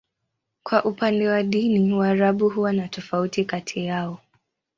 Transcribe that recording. Kwa upande wa dini, Waarabu huwa na tofauti kati yao.